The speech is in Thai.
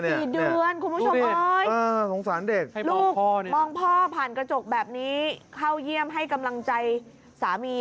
กี่เดือนคุณผู้ชมเอ้ยสงสารเด็กลูกมองพ่อผ่านกระจกแบบนี้เข้าเยี่ยมให้กำลังใจสามี